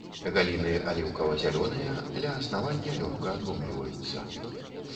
Галіны аліўкава-зялёныя, ля аснавання лёгка адломліваюцца.